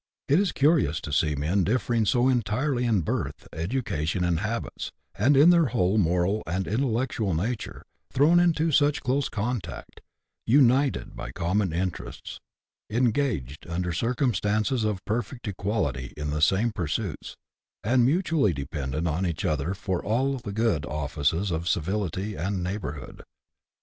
It is curious to see men differing so entirely in birth, education, and habits, and in their whole moral and intellectual nature, thrown into such close contact, united by common interests, engaged under circumstances of perfect equality in the same pursuits, and mutually dependent on each other for all the good offices of civility and neighbourhood.